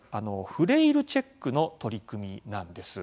フレイルチェックの取り組みなんです。